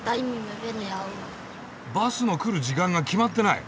バスの来る時間が決まってない。